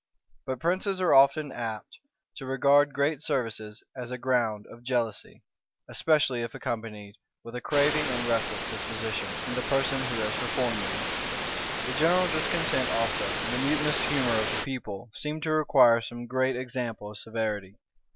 But princes are often apt to regard great services as a ground of jealousy, especially if accompanied with a craving and restless disposition in the person who has performed them. The general discontent also, and mutinous humor of the people, seemed to require some great example of severity.